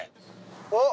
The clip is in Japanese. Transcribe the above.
おっ！